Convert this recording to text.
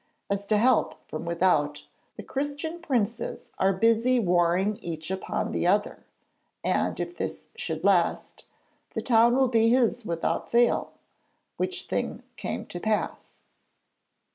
As to help from without, the Christian princes are busy warring each upon the other, and, if this should last, the town will be his without fail,' which thing came to pass.